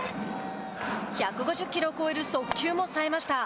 １５０キロを超える速球もさえました。